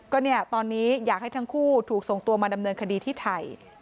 ก็เนี่ยตอนนี้อยากให้ทั้งคู่ถูกส่งตัวมาดำเนินคดีที่ไทย